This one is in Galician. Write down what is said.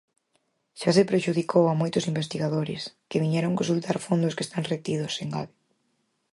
Xa se prexudicou a moitos investigadores, que viñeron consultar fondos que están retidos, engade.